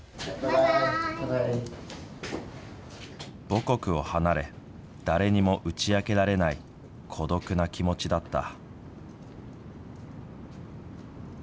母国を離れ、誰にも打ち明けられない孤独な気持ちだった。